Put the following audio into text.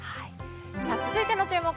続いての注目